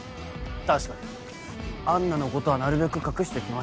確かにアンナのことはなるべく隠して来ました。